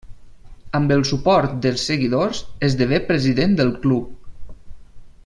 Amb el suport dels seguidors, esdevé president del club.